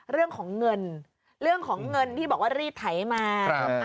เรื่องของเงินเรื่องของเงินที่บอกว่ารีดไถมา